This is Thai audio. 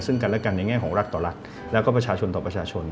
ซึ่งกันและกันในแง่ของรักต่อรัฐแล้วก็ประชาชนต่อประชาชน